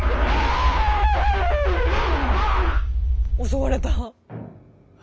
襲われた。